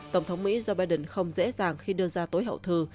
tổng thống mỹ joe biden không dễ dàng khi đưa ra tối hậu thư